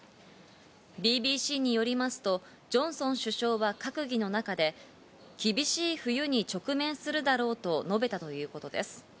ＢＢＣによりますと、ジョンソン首相は閣議の中で厳しい冬に直面するだろうと述べたということです。